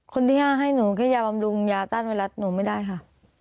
คนที่๕ให้หนูแค่ยาบำรุงยาต้านไวรัสหนูไม่ได้ค่ะ